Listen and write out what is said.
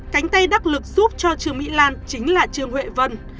cánh tay đắc lực giúp cho trương mỹ lan chính là trương huệ vân